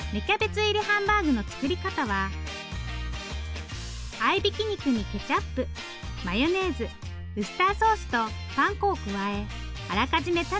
キャベツ入りハンバーグの作り方は合いびき肉にケチャップマヨネーズウスターソースとパン粉を加えあらかじめ